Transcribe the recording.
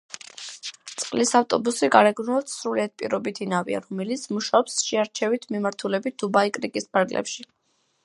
წყლის ავტობუსი გარეგნულად სრულიად პირობითი ნავია, რომელიც მუშაობს შერჩევით მიმართულებით დუბაი-კრიკის ფარგლებში.